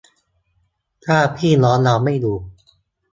ถ้าพี่น้องเราไม่อยู่